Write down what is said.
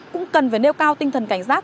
cũng cần phải nêu cao tinh thần cảnh giác